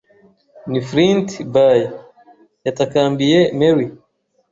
“Ni Flint, by ——!” yatakambiye Merry.